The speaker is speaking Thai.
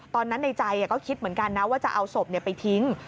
ในใจก็คิดเหมือนกันนะว่าจะเอาศพไปทิ้ง